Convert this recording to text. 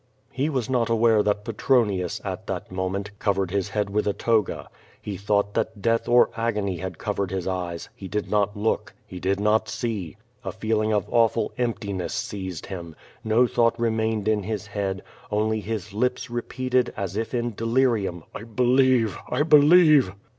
'* He was not aware that Petronius, at that moment, covered his head with a toga. He thought that death or agony had covered his eyes. He did not look. He did not see. A feeling of awful emptiness seized him. No thought remained in his head, only his lips repeated, as if in delirium: "I be lieve! I believe!'